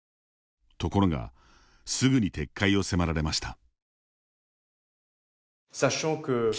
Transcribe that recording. ところがすぐに撤回を迫られました。